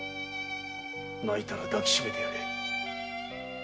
泣いたら抱きしめてやれ。